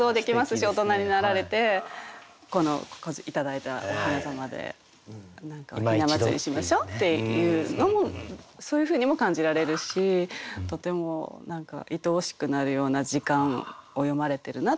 し大人になられてこの頂いたお雛様で雛祭しましょうっていうのもそういうふうにも感じられるしとてもいとおしくなるような時間を詠まれてるなと思って選びました。